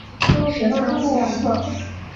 十仓西侧。